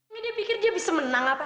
ini dia pikir dia bisa menang apa